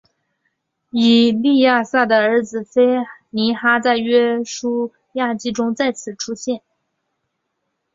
以利亚撒的儿子非尼哈在约书亚记中再次出现。